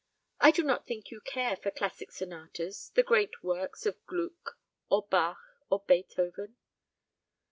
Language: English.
"I do not think you care for classic sonatas the great works of Gluck, or Bach, or Beethoven?"